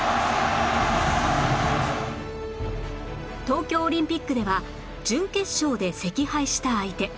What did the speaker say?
東京オリンピックでは準決勝で惜敗した相手